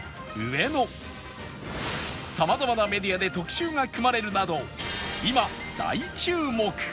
様々なメディアで特集が組まれるなど今大注目！